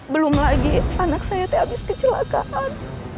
belum lagi anak saya habis kecelakaan